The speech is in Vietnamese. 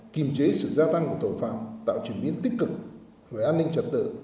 kìm chế sự gia tăng của tội phạm tạo truyền biến tích cực gửi an ninh trật tự